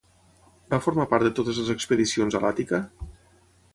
Va formar part de totes les expedicions a l'Àtica?